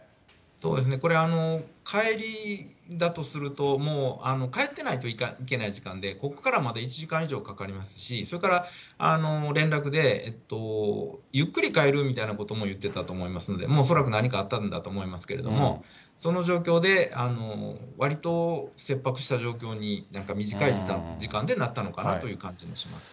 そうですね、これ帰りだとすると、もう帰ってないといけない時間で、ここからまだ１時間以上かかりますし、それから連絡で、ゆっくり帰るみたいなことも言ってたと思いますので、恐らく何かあったんだと思いますけれども、その状況で、わりと切迫した状況に、なんか短い時間でなったのかなという感じがします。